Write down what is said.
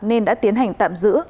nên đã tiến hành tạm giữ